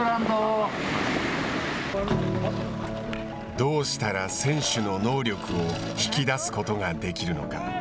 どうしたら選手の能力を引き出すことができるのか。